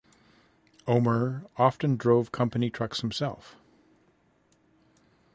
Omer often drove company trucks himself.